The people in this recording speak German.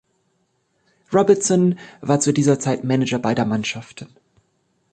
Robertson war zu dieser Zeit Manager beider Mannschaften.